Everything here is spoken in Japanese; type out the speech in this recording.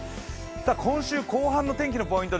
今週後半の天気のポイント